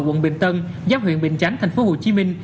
quận bình tân giáp huyện bình chánh thành phố hồ chí minh